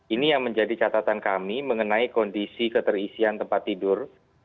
ini yang menjadi catatan kami mengenai kondisi keterisian tempat tidur